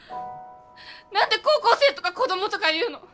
何で高校生とか子供とか言うの！？